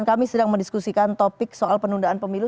kami sedang mendiskusikan topik soal penundaan pemilu